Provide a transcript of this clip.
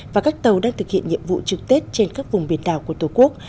và các tàu đang thực hiện nhiệm vụ trực tết trên các vùng biển đảo của tổ quốc